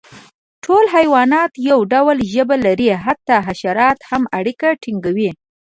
ټول حیوانات یو ډول ژبه لري، حتی حشرات هم اړیکه ټینګوي.